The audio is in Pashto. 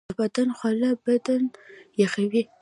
د بدن خوله بدن یخوي